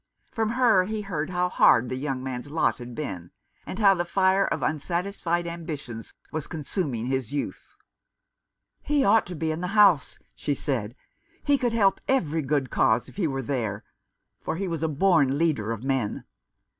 From her he heard how hard the young man's lot had been, and how the fire of unsatisfied ambitions was consuming his youth. " He ought to be in the House," she said. " He could help every good cause if he were there — for he is a born leader of men.